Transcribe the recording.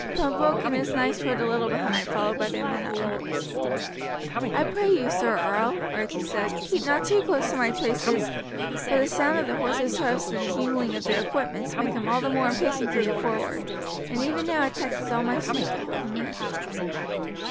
Pembroke and his knights rode a little behind, followed by their men at arms. "I pray you, Sir Earl," Archie said, "keep not too close to my traces, for the sound of the horse's hoofs and the jingling of the equipments make him all the more impatient to get forward, and even now it taxes all my strength to hold him in."